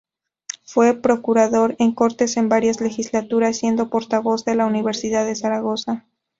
Fue procurador en cortes en varias legislaturas, siendo portavoz de la Universidad de Zaragoza.